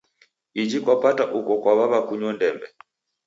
Iji kwapata uko kuw'aw'a kunyo ndembe.